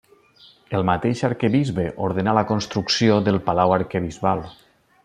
El mateix arquebisbe ordenà la construcció del palau arquebisbal.